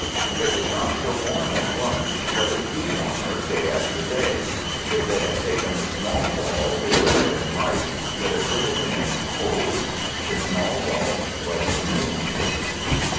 It was not so warm at once, but it grew warmer day after day. If they had taken the small ball it would have been light, but it would have remained cold. The small ball was the moon.